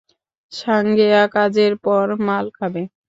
সাঙ্গেয়া, কাজের পর মাল খাবে?